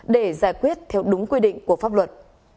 để giải quyết theo đúng quy định của pháp luật